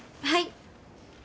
はい！